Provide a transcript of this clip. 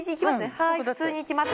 はい普通にいきます。